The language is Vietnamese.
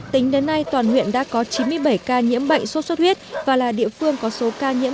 tính đến nay toàn huyện đã có chín mươi bảy ca nhiễm bệnh sốt xuất huyết và là địa phương có số ca nhiễm